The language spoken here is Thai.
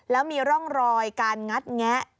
แล้วมีร่องรอยการงัดแงะ